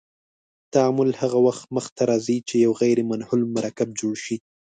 تعامل هغه وخت مخ ته ځي چې یو غیر منحل مرکب جوړ شي.